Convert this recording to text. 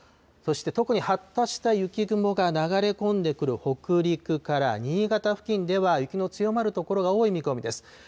そして特に発達した雪雲が流れ込んでくる北陸から新潟付近では雪の強まる所が多い見込みです。